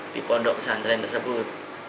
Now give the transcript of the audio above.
di pondok pesantren tersebut